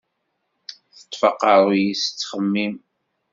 Teṭṭef aqerruy-is tettxemmim.